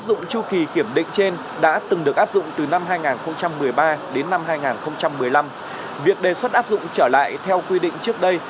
từ năm hai nghìn một mươi ba đến năm hai nghìn một mươi năm việc đề xuất áp dụng trở lại theo quy định trước đây